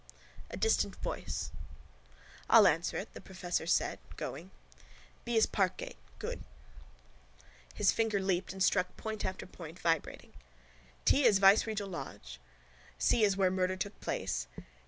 A DISTANT VOICE —I'll answer it, the professor said, going. —B is parkgate. Good. His finger leaped and struck point after point, vibrating. —T is viceregal lodge. C is where murder took place.